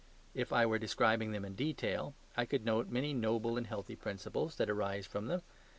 If I were describing them in detail I could note many noble and healthy principles that arise from them.